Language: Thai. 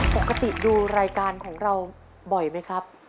ปกติดูรายการของเราบ่อยไหมครับ